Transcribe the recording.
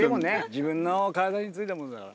自分の体についたものだから。